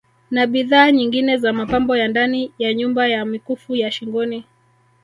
Na bidhaa nyingine za Mapambo ya ndani ya nyumba na mikufu ya Shingoni